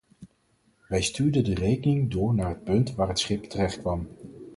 Wij stuurden de rekening door naar het punt waar het schip terechtkwam.